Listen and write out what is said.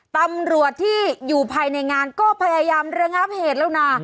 ตำรวจที่อยู่ภายในงานก็พยายามระงับเหตุแล้วนะ